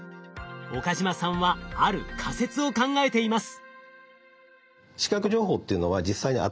岡嶋さんはある仮説を考えています。